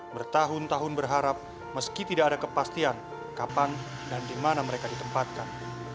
bertahun tahun berharap meski tidak ada kepastian kapan dan di mana mereka ditempatkan